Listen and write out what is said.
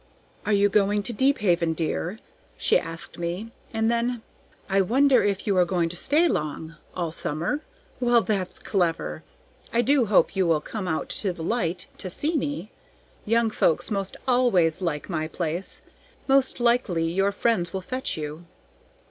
"Are you going to Deephaven, dear?" she asked me, and then: "I wonder if you are going to stay long? All summer? Well, that's clever! I do hope you will come out to the Light to see me; young folks 'most always like my place. Most likely your friends will fetch you."